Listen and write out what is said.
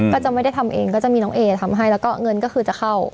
ก็จะไม่ได้ทำเองก็จะมีน้องเอทำให้แล้วก็เงินก็คือจะเข้า